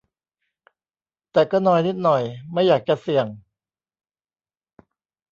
แต่ก็นอยนิดหน่อย ไม่อยากจะเสี่ยง